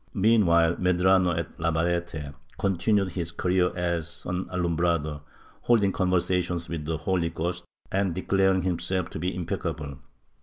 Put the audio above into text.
Mean while Medrano, at Navarrete continued his career as an Alum brado, holding conversations with the Holy Ghost and declaring himself to be impeccable.